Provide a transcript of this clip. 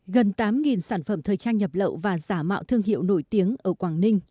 gần tám sản phẩm thời trang nhập lậu và giả mạo thương hiệu nổi tiếng ở quảng ninh